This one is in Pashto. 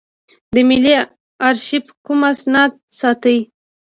ملي آرشیف کوم اسناد ساتي؟